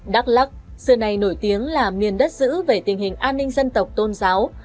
đắk lắc xưa này nổi tiếng là miền đất giữ về tình hình an ninh dân tộc tôn giáo